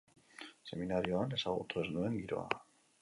Seminarioan ezagutu ez nuen giroa.